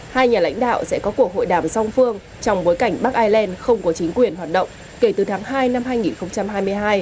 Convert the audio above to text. hai nhà lãnh đạo sẽ có cuộc hội đàm song phương trong bối cảnh bắc ireland không có chính quyền hoạt động kể từ tháng hai năm hai nghìn hai mươi hai